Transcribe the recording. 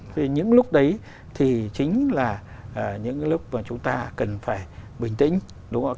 thì những lúc đấy thì chính là những cái lúc mà chúng ta cần phải bình tĩnh đúng không